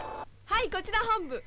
はいこちら本部。